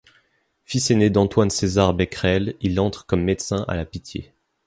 Fils aîné d'Antoine César Becquerel, il entre comme médecin à la Pitié.